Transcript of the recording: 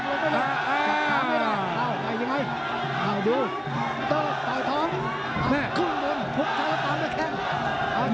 ขยัน